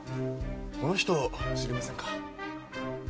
この人知りませんか？